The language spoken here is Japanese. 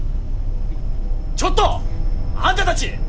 ちょっとあんたたち！